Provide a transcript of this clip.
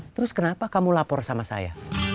terus kenapa kamu lapor sama saya